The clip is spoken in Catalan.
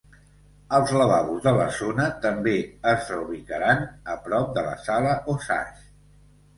Els lavabos de la zona també es reubicaran a prop de la sala Osage.